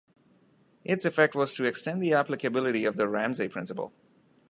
Its effect was to extend the applicability of The Ramsay Principle.